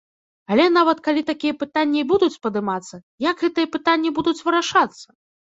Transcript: Але, нават, калі такія пытанні і будуць падымацца, як гэтыя пытанні будуць вырашацца?